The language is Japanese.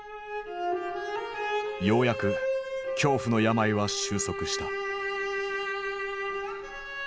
ようやく恐怖の病は終息した。